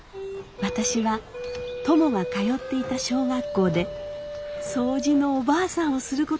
私はトモが通っていた小学校で掃除のおばあさんをすることになりました」。